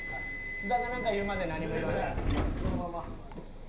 津田が何か言うまで何も言わないでね。